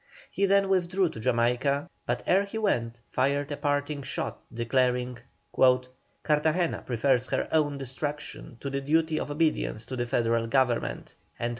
He then withdrew to Jamaica, but ere he went fired a parting shot, declaring: "Cartagena prefers her own destruction to the duty of obedience to the Federal Government."